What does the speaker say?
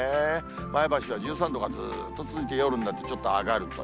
前橋は１３度がずっと続いて夜になってちょっと上がると。